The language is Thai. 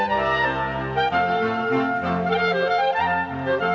สวัสดีครับสวัสดีครับ